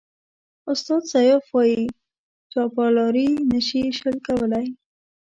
استاد سياف وایي چاپلاري نشي شل کولای.